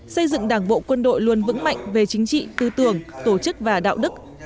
xây dựng đảng bộ quân đội luôn vững mạnh về chính trị tư tưởng tổ chức và đạo đức